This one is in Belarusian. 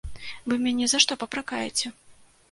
Вы мяне за што папракаеце?